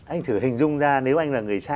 anh thử hình dung ra nếu anh là người cha